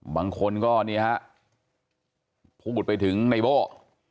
บางคนก็นี่ฮะพูดไปถึงไนโบ้